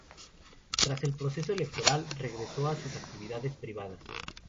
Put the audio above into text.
Tras el proceso electoral, regresó a sus actividades privadas.